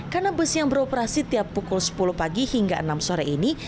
karena bis yang beroperasi tiap pukul sepuluh pagi hingga enam sore ini